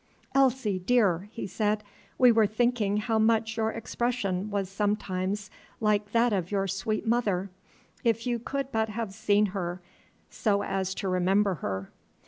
"Elsie, dear," he said, "we were thinking how much your expression was sometimes like that of your sweet mother. If you could but have seen her, so as to remember her!"